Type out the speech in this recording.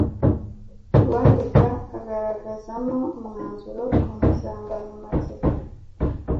Uwandika agaragazamo umwanzuro ku nsanganyamatsiko